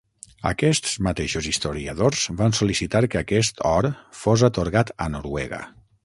Aquests mateixos historiadors van sol·licitar que aquest or fos atorgat a Noruega.